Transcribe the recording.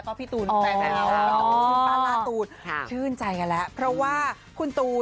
โอ้คอมเมนต์เยอะมาก